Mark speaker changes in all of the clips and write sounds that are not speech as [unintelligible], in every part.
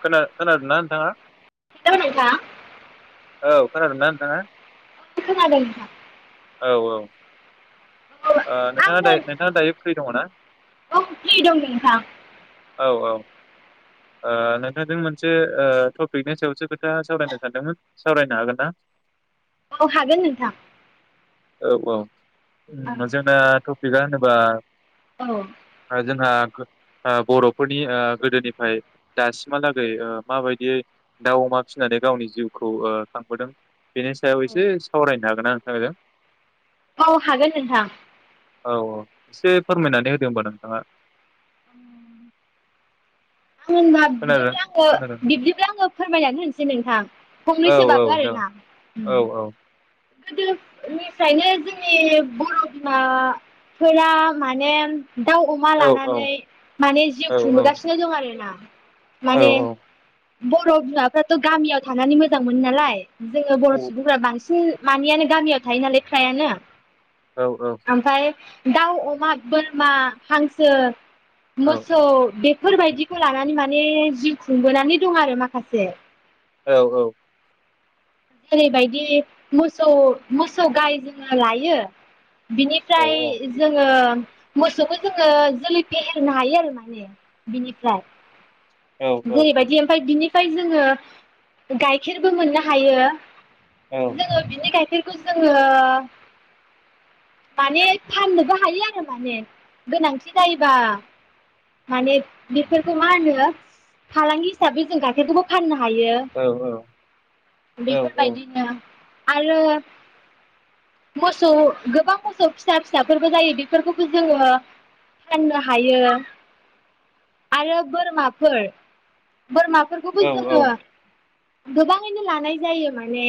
Speaker 1: खोना-खोनादों ना नोंथाङा?
Speaker 2: [unintelligible]
Speaker 1: औ खोनादों ना नोंथाङा?
Speaker 2: खोनादों नोंथां।
Speaker 1: औ औ।
Speaker 2: औ
Speaker 1: ओ नोंथाङा
Speaker 2: आंनो
Speaker 1: दायों नोंथाङा दायो फ्रि दङ ना?
Speaker 2: औ फ्रि दं नोंथां।
Speaker 1: औ औ ओ नोंथांजों मोनसे ओ टपिकनि सायावसो खोथा सावरायनो सानदोंमोन सावरायनो हागोन ना?
Speaker 2: औ हागोन नोंथां।
Speaker 1: औ औ।
Speaker 2: औ
Speaker 1: जोंनाथ' टफिका होनोबा
Speaker 2: औ
Speaker 1: ओ जोंहा ओ बर'फोरनि ओ गोदोनिफ्राय दासिमहालागै ओ माबायदियै दाउ अमा फिसिनानै गावनि जिउखौ ओ खांबोदों बेनि सायाव एसे सावरायनो हागोन ना थांजों।
Speaker 2: औ हागोन नोंथां।
Speaker 1: औ एसे फोरमायनानै होदो होमबा नोंथाङा। [inaudible]
Speaker 2: होनबा
Speaker 1: खोनादों
Speaker 2: बिदिब्ला आङो
Speaker 1: खोनादों
Speaker 2: बिब्दिब्ला आङो फोरमायनानै होनोसै नोंथां
Speaker 1: औ
Speaker 2: फंनैसोबाबो
Speaker 1: औ जागोन
Speaker 2: आरोना।
Speaker 1: औ औ
Speaker 2: गोदोनिफ्रायनो जोंनि बर' बिमाफोरा माने दाउ अमा
Speaker 1: औ औ
Speaker 2: लानानै माने
Speaker 1: औ
Speaker 2: जिउ खुंबोगासिनो दं आरो ना।
Speaker 1: औ
Speaker 2: माने बर' बिमाफ्राथ' गामियाव थानानै मोजां मोनो नालाय जोङो बर' सुबुंफोरा बांसिन मानियानो गामियाव थायो नालाय फ्रायानो।
Speaker 1: औ
Speaker 2: ओमफ्राय दाउ, अमा, बोरमा, हांसो मोसौ बे फोरबायदिखौ लानानै माने जिउ खुंबोनानै दं आरो माखासे।
Speaker 1: औ औ।
Speaker 2: जेरैबायदि मोसौ मोसौ गाइ जोङो लायो बिनिफ्राय जोङो मोसौखौ जोङो जोलै फेहेरनो हायो आरो माने बिनिफ्राय। जेरैबायदि ओमफाय बिनि फाय जोङो गाइखेरबो मोननो हायो। जोङो बिनि गायखेर खौ जोङो माने फाननोबो हायो आरो माने गोनांथि जायोबा। माने बेफोरखौ मा होनो फालांगि हिसाबै जों गाइखेरखौबो फाननो हायो। बेफोरबायदिनो आरो मोसौ गोबां मोसौ फिसा फिसाफोरबो जायो बेफोरखौबो जोङो फाननो हायो। आरो बोरमाफोर बोरमाफोरखौबो जोङो गोबाङैनो लानाय जायो माने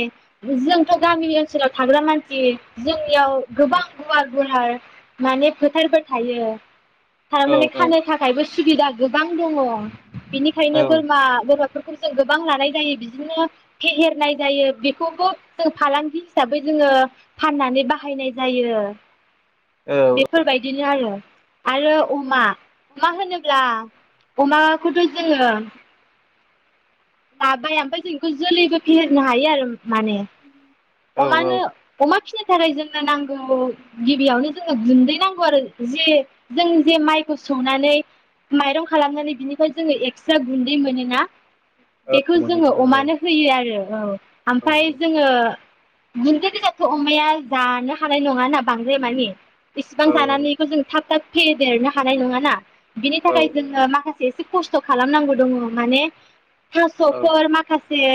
Speaker 2: जोंथ' गामिनि ओनसोलाव थाग्रा मानसि जोंनियाव गोबां गुवार गुवार माने फोथारफोर थायो। थारमाने खानो थाखायबो सुबिदा गोबां दङ'। बिनिखायनो बोरमा बोरमा फोरखौ जों गोबां लानाय जायो। बिदिनो फेहेरनाय जायो बेखौबो जों फालांगि हिसाबै जोङो फाननानै बाहायनाय जायो। बेफोरबायदिनो आरो। आरो अमा अमा होनोब्ला अमाखौथ' जोङो लाबाय ओमफ्राय जोंखौ जोलैबो फेहेरनो हायो आरो माने।
Speaker 1: औ औ
Speaker 2: अमानो अमा फिनो थाखाय जोंनो नांगौ गिबियावनो जोंनो गुन्दै नांगौ आरो ज जों जे माइखौ सौनानै माइरं खालामनानै बिनिफ्राय जोङो एक्सट्रा गुन्दै मोनोना
Speaker 1: औ
Speaker 2: बेखौ जोङो
Speaker 1: मिथिगौ
Speaker 2: अमानो होयो आरो। औ। आमफाय जोङो गुन्दै गोजाथ' अमाया जानो हानाय नङा ना बांद्राय मानि इसिबां जानानैखौ जों थाब थाब फेदेरनो हानाय नङा ना बिनि थाखाय जोनो माखासे एसे खस्थ' खालामनांगौ दङ माने थास'फोर मााखास से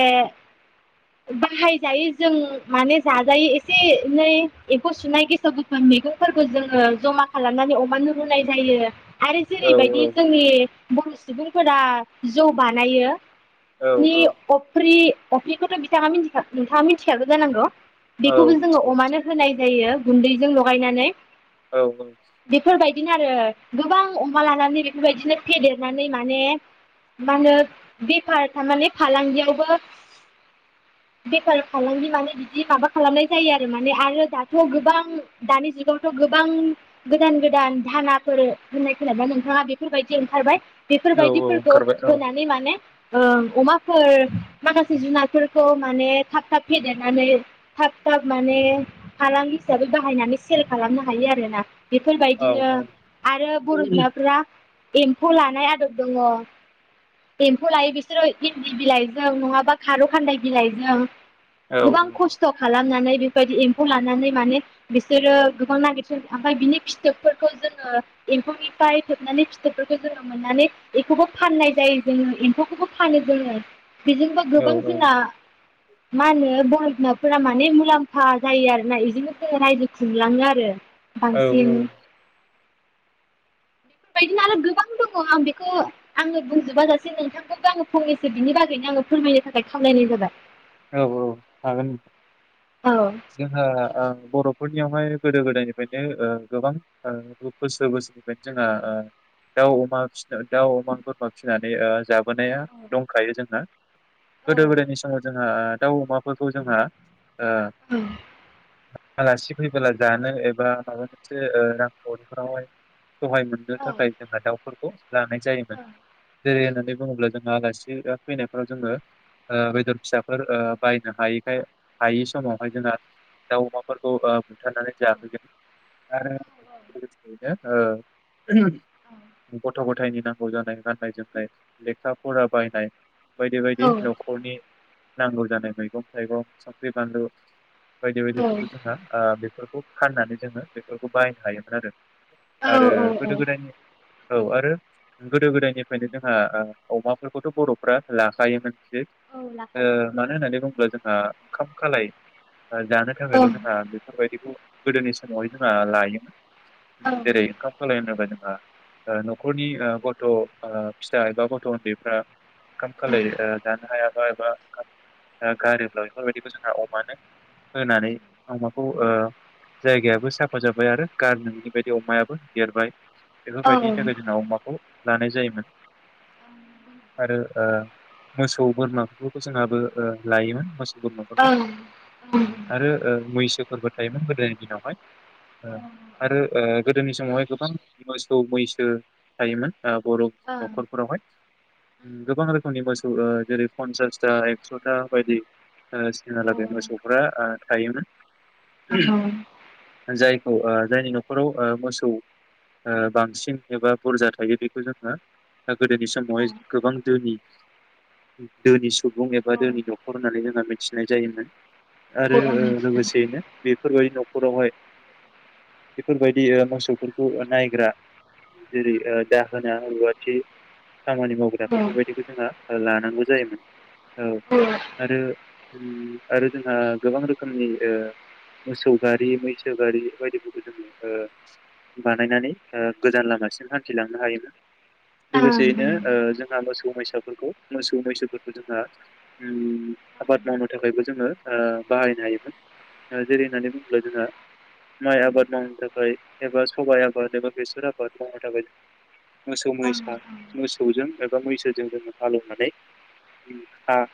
Speaker 2: बाहायजायो जों माने जाजायो एसे एनै एम्फौ सुनाय गेसाव गेफोन मैगंफोरखौ जोङो जमा खालामनानै अमानो रुनाय जायो आरो जेरैबायदि जोंनि बर' सुबुंफोरा जौ बानायो बिनि अफ्रि अफ्रिखौथ' बिथाङा मिथि नोंथाङा मिथिखागौ जानांगौ बेखौबो जोङो अमानो होनाय जायो गुन्दैजों लगायनानै
Speaker 1: औ औ
Speaker 2: बिदिनो आरो गोबां अमा लानानै बेफोरबायदिनो फेदेरनानै माने मा होनो बे फार थारमाने फालांगियावबो बेफार फालांगि माने बिदि माबा खालामनाय जायो आरो माने आरो दाथ' गोबां दानि जुगावथ' गोबां गोदान गोदान दानाफोर होननाय खोना नोंथाङा बेफोरबायदि ओंखारबाय
Speaker 1: औ
Speaker 2: बेफोरबायदिफोरखौ
Speaker 1: ओंखारबाय औ
Speaker 2: होनानै माने ओ अमाफोर माखासे जुनादफोरखौ माने थाब थाब फेदेरनानै थाब थाब माने फालां हिसाबै बाहायनानै सेर खालामनो हायो आरो‌ ना
Speaker 1: औ
Speaker 2: बेफोरबायदिनो
Speaker 1: औ
Speaker 2: आरो बर' बिमाफोरा एम्फौ लानाय आदब दङ एम फौखौ लायो बिसोरो इन्दि बिलाइजों नङाबा खारौ खान्दाय बिलाइजों
Speaker 1: औ
Speaker 2: गोबां खस्थ' खालाम नानै फाननानै बेबायदि एम्फौ लानानै माने बिसोरो गोबां नागिरन ओमफ्राय बिनि फिथोबफोरखौ जोङो एम्फौनिफ्राय थोबनानै फिथोबफोरखौ जोङो मोननानै एम्फौबो फाननाय जायो जोङो फौखौबो फानिदों आरो बेजोंबोा गोबां जोंना मा होनो बर' बिमाफोरा माने मुलाम्फा जायो आरोना बेजोंनो जो रायजो खुंलाङो आरो बांसिन बेफोरबायदिनो आरो गोबां दङ आं बेखौ आङो बुंजोबा जासे नोंथांखौबो आङो फंनैसो बिनि बागैनो आङो फोरमायनो थाखाय खावलायनाय जाबाय
Speaker 1: औ औ हागोन
Speaker 2: औ
Speaker 1: जोंहा बर'फोरनि बिनियावहाय गोदो गोदायनिफ्रायनो गोबां बोसोर बोसोरनिफ्रायनो जोंहा दाउ अमा फि दाउ अमा बोरमा फिसिनानै ज मोनायाव दंखायो जोंना
Speaker 2: औ
Speaker 1: गोदो गोदायनि समाव जोंहा दाउ अमाफोरखौ जोंहा ओ
Speaker 2: औ
Speaker 1: आलासि फैबोला जानो एबा माबा मोनसे रांखावरिफोरावहाय सहाय मोननो
Speaker 2: औ
Speaker 1: थाखाय जोंहा दाउफोर खौ जायोमोन
Speaker 2: औ औ
Speaker 1: जेरै होननानै बुङोब्ला जोंङो आलासि फैनायफ्राव जोङो ओ बेदर फिसाफोर बायनो हायैखाय हायै समावहाय जोंना दाउ अमाफोरखौ ओ बुथारनानै जाफैगोन आरो लोगोसेयैनो ओ गथ' गथायनि नांगौ जानाय गाननाय जोमनाय लेखा फरा बायनाय बायदि बायदि न'खरनि नांगौ जानाय मैगं थाइगं संख्रि बानलु बायदि बायदिबो जोंहा ओ बेफोर खौ फाननानै जोङो बेफोरखौ बायनो हायोमोन आरो।
Speaker 2: औ
Speaker 1: आरो
Speaker 2: औ
Speaker 1: गोदो गोदायनि औ आरो गोदो गोदायनिफ्रायनो जोंहा ओ अमाफोरखौथ' बर'फ्रा लाखायोमोन ज।
Speaker 2: औ
Speaker 1: ओ
Speaker 2: लाखायो
Speaker 1: मानो होननानै बुङोब्ला जों ओ ओंखाम खालाय जानो
Speaker 2: औ
Speaker 1: थाखायल' जोंना बेफोरबायदिखौ गोदोनि समावहाय जोंहा लायोमोन।
Speaker 2: औ
Speaker 1: जेरै ओंखाम खालाय [unintelligible] न'खरनि ओ गथ' ओ फिसा एबा गथ' उन्दैफ्रा ओंखाम खालाय ओ जानो हाया एबा गारोब्ला बेफोरबायदिखौ जोंहा अमानो होनानै अमाखौ ओ जायगायाबो साफा जाबाय आरो गार नोंनि बायदि अमायाबो देरबाय। बेफोरबायदिनि थाखाय जोंनाव अमाखौ लानाय जायोमोन आरो ओ मोसौ बोरमा। जोंहाबो ओ लायोमोन मोसौ बोरमाफोरखौ।
Speaker 2: ओं
Speaker 1: आरो ओ मैसोफोरबो थायोमोन गोदोनि दिनावहाय ओ आरो ओ गोदोनि समावहाय गोबां मोसौ मैसो थायोमोन। बर'
Speaker 2: ओं औ
Speaker 1: नख'रफोरावहाय। उम गोबां रोखोमनि मोसौ ओ जेरै फन्सासथा एक्स'था बायदि सिनाहालागै मोसौफ्रा ओ थायोमोन।
Speaker 2: औ।
Speaker 1: जायखौ ओ जायनि न'खराव ओ मोसौ ओ बांसिन एबा बुरजा थायो बेखौ जोङो गोदोनि समावहाय
Speaker 2: आङो
Speaker 1: गोबां दोनि दोनि सुब सुबुं एबा
Speaker 2: ओं
Speaker 1: दोनि न'खर होननानै जोंहा सिनाय जायोमोन।
Speaker 2: औ
Speaker 1: आरो
Speaker 2: आं
Speaker 1: ओ
Speaker 2: मिथिगौ
Speaker 1: लोगोसेयैनो बेफोरबायदि न'खर नख'रावहाय बेफोरबायदि ओ मोसौफोरखौ नायग्रा जेरै ओ दाहोना रुवाथि खामानि मावग्रा बेफोरबायदिखौ जोंहा लानांगौ ज जायोमोन। औ आरो आरो जोंहा गोबां रोखोमनि ओ मोसौ गारि मैसो गारि बायदिफोरखौ जोङो ओ बानायनानै ओ गोजान लामासिम हान्थिलांनो हायोमोन।
Speaker 2: ओं ओं
Speaker 1: लोगोसेयैनो ओ जोंहा मोसौ मैसा ओ फोरखौ मोसा दुं मैसोखौथ जोंहा उम आबाद मावनो थाखायबो जोङो ओयो बाहायनो हायोमोन ओ जेरै होननानै बुङोब्ला जोंहा माइ आबाद मावनो थाखाय एबा सबाइ आबाद एबा बेसर आबाद मावनो थाखाय जों मोसौ मैसा
Speaker 2: ओं
Speaker 1: मोसौजों ए बा मैसोजों जोङो हालौनानै हा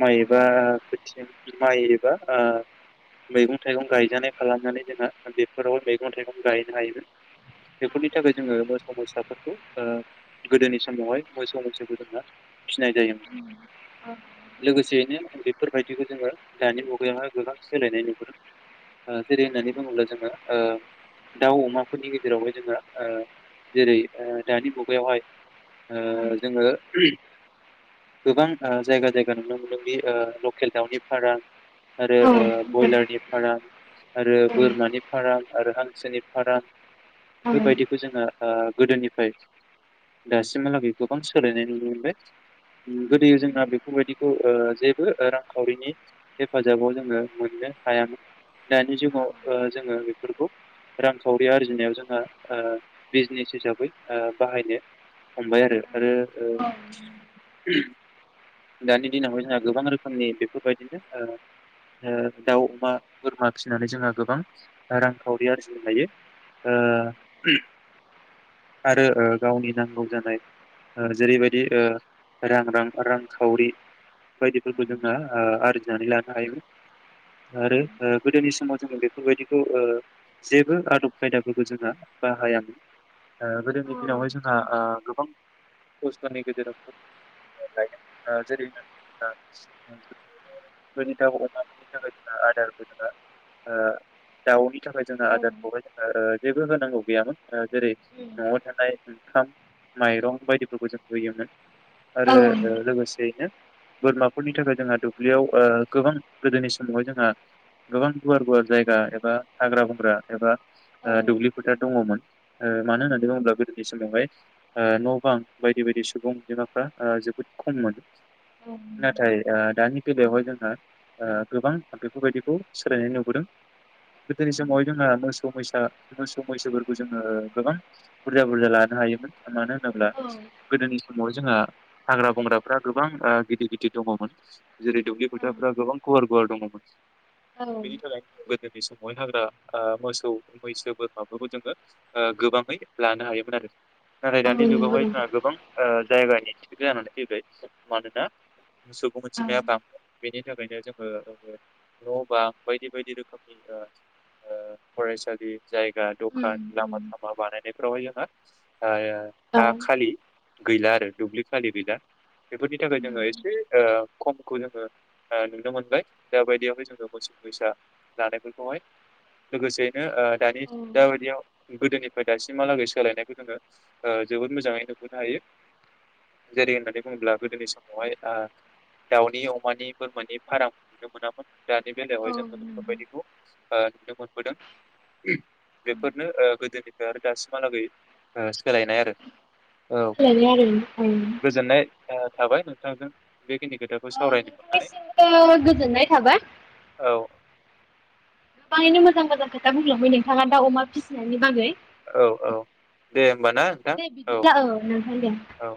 Speaker 1: माइ एबा खोथिया माइ एबाओयो मैगं थाइगं गायजानाय खालामनानै जोंहा बेफोरावहाय मैगं थाइगं गायनो हायोमोन बेफोरनि थाखाय जोङो मोसौ मोसाफोरखौ ओयो गोदोनि समावहाय मोसौ मैसोखौ जोंहा फिनाय जायोम लोगोसेयैनो बेफोरबाय थिरखौ जोङो दानि मुगायावहाय गोबां सोलायनाय नुबोदों ओ जेरै होननानै
Speaker 2: ओं
Speaker 1: बुङोब्ला जोङो ओयो दाउ अमाफोरनि गेजेरावहाय जोङो ओयो जेरै ओयो दानि मुगायावहाय ओयो जोङो उम। गोबां ओ जायगा जायगा नुनो मोनदों बि ओ लकेल दाउनि फारा। आरो ओ ब्रयलारनि फारा। आरो बोरमानि फाराम। आरो हांसोनि फारां
Speaker 2: ओं
Speaker 1: बेफोरबायदिखौ जोङो। ओयो गोदोनिफ्राय दासिमहालागै गोबां सोलायनाय नुनो मोनबाय। उम गोदोयो जोंहा बेफोरबायदिखौ ओयो जेबो ओ रांखावरिनि हेफाजाबाव जोङो मोननो हायामोन दानि जुमाव ओयो जोङो बेफोरखौ रांखावरि आरजिनायाव जोंहा ओयो बिजनेस हिसाबै ओयो बाहायनो हमबाय आरो आरो ओ। उहम दानि दिनावहाय जोंहा गोबां रोखोमनि बेफोरबायदिनो ओ ओयो दाउ अमा बोरमा फिसिनानै जोंहा गोबां रांखावरि आरजिनो हायो ओयो उहम आरो ओ गावनि नांगौ जानाय ओयो जेरैबायदि ओयो रां रां रांखावरि बायदिफोरखौ जोंना ओयो आरजिनानै लानो हायोमोन आरो ओयो गोदोनि समाव जोङो बेफोरबायदिखौ ओयो जेबो आदब खायदाफोरखौ जोंहा बाहाया। ओयो
Speaker 2: औ
Speaker 1: गोदोनि दिनावहाय जोंहा
Speaker 2: नंगौ
Speaker 1: ओयो गोबां हसथारनि गेजेराव। [unintelligible] थाखाय जोङो
Speaker 2: औ
Speaker 1: आदारखौहाय जोंयो ओयो जेबो होनांगौ गैयामोन। ओ जेरै न'आव
Speaker 2: नंगौ
Speaker 1: थांनाय। ओंखाम माइरं बायदिफोरखौ जों होयोमोन।
Speaker 2: औ
Speaker 1: आरो ओ लोगोसेयैनो बोरमाफोरनि थाखाय जोंहा दुब्लियाव ओ गोबां गोदोनि समावहाय जोंहा गोबां गुवार गुवार जायगा एबा हाग्रा बंग्रा एबा
Speaker 2: औ
Speaker 1: ओयो
Speaker 2: औ
Speaker 1: दुब्लि फोथार दङमोन ओ
Speaker 2: औ
Speaker 1: मानो होननानै
Speaker 2: नोंथां
Speaker 1: बुङोब्ला गोदोनि समावहाय ओयो न' बां बायदि बायदि सुबुं एबा फ्रा ओ जोबोद खम मोन।
Speaker 2: औ नंगौ
Speaker 1: नाथाय ओ दानि। बेलायावहाय जोंहा ओ गोबां बेफोरबायदिखौ सोलायनाय नुबोदों गोदोनि समावहाय जोंहा मोसौ मैसा मोसौ मैसोफोरखौ जोङो गोबां बुरजा बुरजा लानो हायोमोन मानो होन नाब्ला
Speaker 2: औ
Speaker 1: गोदोनि दि मावहाय जोंहा हाग्रा बंग्राफ्रा गोबां ओयो गिदिर गिदिर दङमोन। जेरै दुब्लि
Speaker 2: औ
Speaker 1: फोथारफ्रा गोबां गुवार [unintelligible]
Speaker 2: औ
Speaker 1: बिनि थाखाय [unintelligible] समावहाय हाग्रा मोसौ मैसो बोरमाफोरखौ जोङो गोबाङै लानो हायोमोन आरो। नाथाय दानि
Speaker 2: नंगौ
Speaker 1: जुगावहाय
Speaker 2: नंगौ
Speaker 1: जोंहा गोबां ओ जायगानि थिग जानानै फैबाय मानोना सुबुं
Speaker 2: औ
Speaker 1: अनजिमाया बां बेनि थाखायनो जोङो न' बां बायदि बायदि रोखोमनि फरायसालि जायगा
Speaker 2: उम
Speaker 1: दखान लामा थामा बानायनायफोरावहाय जोंहा ओ
Speaker 2: औ
Speaker 1: हा खालि गैला आरो दुब्लि खालि गैला बेफोरनि थाखाय जोङो
Speaker 2: नंगौ
Speaker 1: एसे ओ खमखौ जोङो नुनो मोनबाय द बायदियावहाय जोङो मोसौ मैसा लानायफोरखौहाय लोगोसेयैनो दानि
Speaker 2: औ
Speaker 1: दा बायदियावबि गोदोनिफ्राय दासिमहालागै सोलायनायखौ जोङो ओ जोबोद मोजाङै नुुबोनो हायो। जेरै होननानै बुङोब्ला गोदोनि समावहाय आ दाउनि अमानि बोरमानि फाराम नुनो मोनामोन। दानि
Speaker 2: औ
Speaker 1: बेलायावहाय
Speaker 2: नंगौ
Speaker 1: जोंफोरबायदिखौ आ नुनो मोनबोदों।
Speaker 2: औ
Speaker 1: बेफोरनो ओ गोदोनि ओ आरो दासिमहालागै सोलायनाय आरो। औ
Speaker 2: सोलायबाय आरो नों औ
Speaker 1: गोजोननाय थाबाय नोंथांजों बेखिनि खोथाखौ सावरायनो मोननानै।
Speaker 2: नोंथांनिसिमबो गोजोननाय थाबाय
Speaker 1: औ
Speaker 2: गोबाङैनो मोजां मोजां खोथा बुंलांबाय नोंथाङा दा अमा फिसिनायनि बागै।
Speaker 1: औ औ दे होमबा ना नोंथां
Speaker 2: दे
Speaker 1: औ
Speaker 2: बिदिब्ला नोंथां दे
Speaker 1: औ।